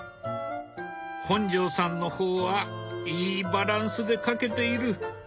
本上さんの方はいいバランスで描けている。